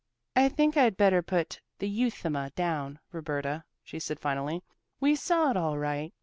"I think I'd better put the euthuma down, Roberta," she said finally. "We saw it all right.